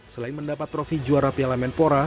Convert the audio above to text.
selain mendapat trofi juara piala menpora